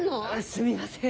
すみません。